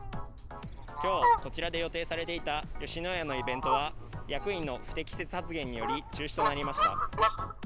今日、こちらで予定されていた吉野家のイベントは役員の不適切発言により中止となりました。